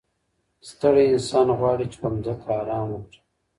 ستړی انسان غواړي چي په ځمکه ارام وکړي.